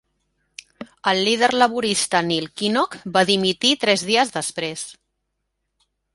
El líder laborista Neil Kinnock va dimitir tres dies després.